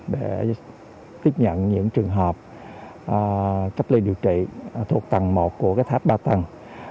để tiếp nhận những trường hợp cách ly điều trị thuộc tầng một của tháp ba tầng